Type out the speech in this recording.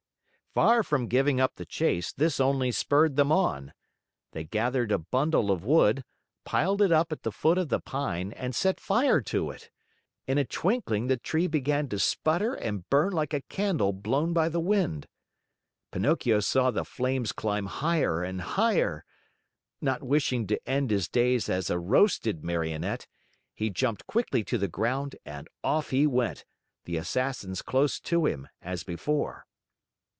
Far from giving up the chase, this only spurred them on. They gathered a bundle of wood, piled it up at the foot of the pine, and set fire to it. In a twinkling the tree began to sputter and burn like a candle blown by the wind. Pinocchio saw the flames climb higher and higher. Not wishing to end his days as a roasted Marionette, he jumped quickly to the ground and off he went, the Assassins close to him, as before.